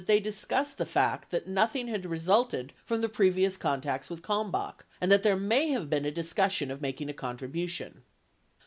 Semer conceded that they discussed the fact that nothing had resulted from the previous contacts with Kalm bach and that there may have been a discussion of making a con tribution.